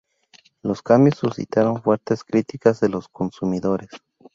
Los cambios suscitaron fuertes críticas de los consumidores.